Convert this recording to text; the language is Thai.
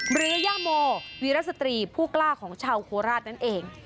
หรือย่าโมวีรสตรีผู้กล้าของชาวโคราชนั่นเอง